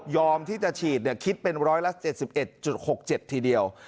ยอมที่จะฉีดคิดเป็น๑๗๑๖๗ทีเดียว